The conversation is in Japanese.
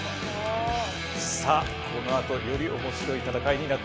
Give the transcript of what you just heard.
さあこのあとより面白い戦いになっていきそうです。